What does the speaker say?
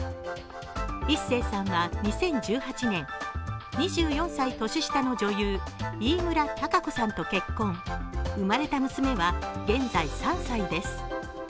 壱成さんは２０１８年、２４歳年下の女優、飯村貴子さんと結婚生まれた娘は、現在３歳です。